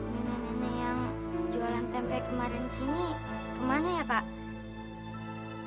nenek nenek yang jualan tempe kemarin sini kemana ya pak